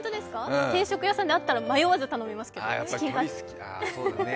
定食屋さんであったら迷わず頼みますけど。